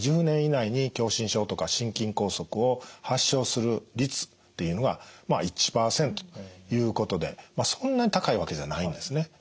１０年以内に狭心症とか心筋梗塞を発症する率っていうのがまあ１％ということでそんなに高いわけではないんですね。